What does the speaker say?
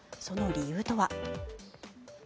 その理由とは。